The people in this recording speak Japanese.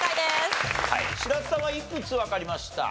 白洲さんはいくつわかりました？